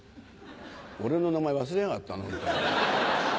俺の名前忘れやがったな本当に。